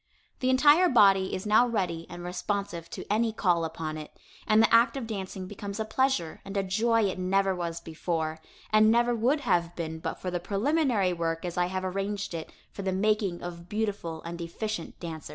The entire body is now ready and responsive to any call upon it, and the act of dancing becomes a pleasure and a joy it never was before, and never would have been but for the preliminary work as I have arranged it for the making of beautiful and efficient dancers.